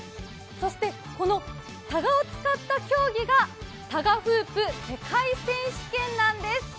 そして、たがを使った競技がたがフープ世界選手権なんです。